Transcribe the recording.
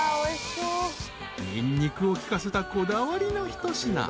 ［ニンニクを利かせたこだわりの一品］